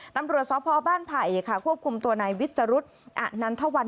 ตำรวจสพบ้านไผ่ค่ะควบคุมตัวนายวิสรุธอนันทวัน